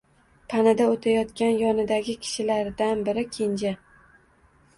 Panaga o‘tayotgan yonidagi kishilardan biri Kenja